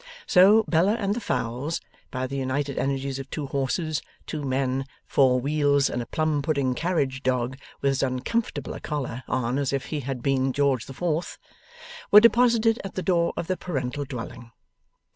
So, Bella and the fowls, by the united energies of two horses, two men, four wheels, and a plum pudding carriage dog with as uncomfortable a collar on as if he had been George the Fourth, were deposited at the door of the parental dwelling.